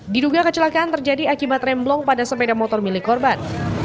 diduga kecelakaan terjadi akibat remblong pada sepeda motor milik korban